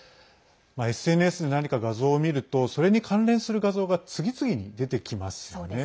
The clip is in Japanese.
ＳＮＳで何か画像を見るとそれに関連する画像が次々に出てきますよね。